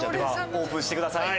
オープンしてください。